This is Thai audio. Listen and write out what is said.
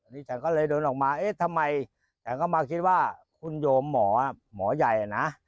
นี่ฉันก็เลยเดินออกมาเอ๊ะทำไมฉันก็มาคิดว่าคุณโยมหมอหมอใหญ่นะ